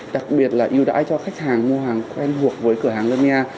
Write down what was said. đặc biệt là yêu đại cho khách hàng mua hàng quen thuộc với cửa hàng lumia